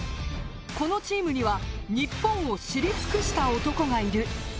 このチームには日本を知り尽くした男がいる。